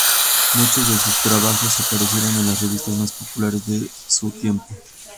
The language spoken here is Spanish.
Muchos de sus trabajos aparecieron en las revistas más populares de su tiempo.